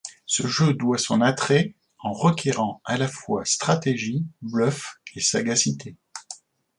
Ce jeu doit son attrait en requérant à la fois stratégie, bluff et sagacité.